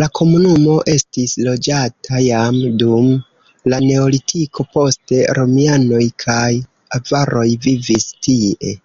La komunumo estis loĝata jam dum la neolitiko, poste romianoj kaj avaroj vivis tie.